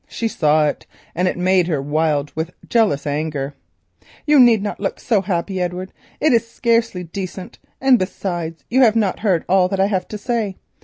She saw it, and it stung her almost to madness. "You need not look so happy, Edward; it is scarcely decent; and, besides, you have not heard all that I have to say.